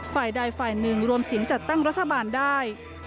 ฝ่ายใดฝ่ายหนึ่งรวมสินจัดตั้งรัฐบาลได้